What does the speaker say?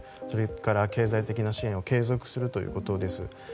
それから経済的な支援を継続するということです。